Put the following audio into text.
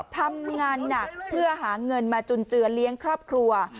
ทำงานหนักเพื่อหาเงินมาจุนเจือเลี้ยงครอบครัว